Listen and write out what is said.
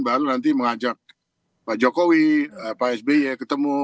baru nanti mengajak pak jokowi pak sby ketemu